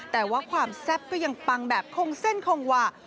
แต่ว่าความแซ่บก็ยังปังแบบคงเส้นคงหว่า